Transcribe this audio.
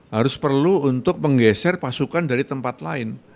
harus perlu untuk menggeser pasukan dari tempat lain